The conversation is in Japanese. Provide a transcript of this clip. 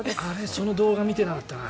その動画は見てなかったな。